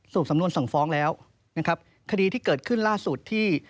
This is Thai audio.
สำนวนสั่งฟ้องแล้วนะครับคดีที่เกิดขึ้นล่าสุดที่